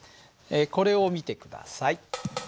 これを見て下さい。